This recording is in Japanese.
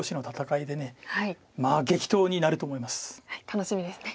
楽しみですね。